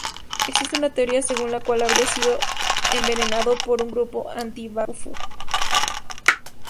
Existe una teoría según la cual habría sido envenenado por un grupo anti-Bakufu.